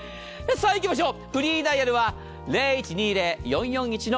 いきましょう、フリーダイヤルは０１２０‐４４１‐２２２。